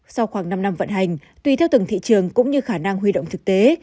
sau khoảng năm năm vận hành tùy theo từng thị trường cũng như khả năng huy động thực tế